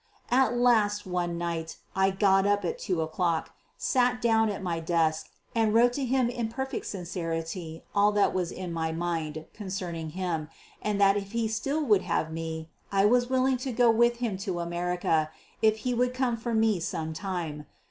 At last, one night, I got up at two o'clock, sat down at my desk, and wrote to him in perfect sincerity all that was in my mind concerning him, and that if he still would have me, I was willing to go with him to America if he would come for me some time.